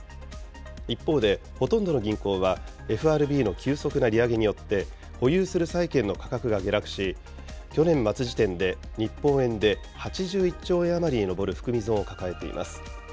一方でほとんどの銀行は、ＦＲＢの急速な利上げによって、保有する債券の価格が下落し、去年末時点で日本円で８１兆円余りに上る含み損を抱えています。